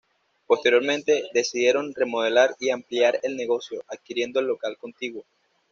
Posteriormente, decidieron remodelar y ampliar el negocio, adquiriendo el local contiguo.